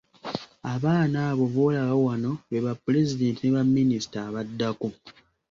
Abaana abo b'olaba wano be bapulezidenti ne baminisita abaddako.